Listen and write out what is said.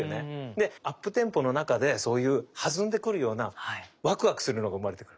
でアップテンポの中でそういう弾んでくるようなワクワクするのが生まれてくる。